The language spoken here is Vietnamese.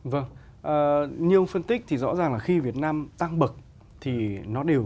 vâng như ông phân tích thì rõ ràng là khi việt nam tăng bậc thì nó đều